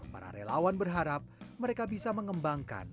para relawan berharap mereka bisa mengembangkan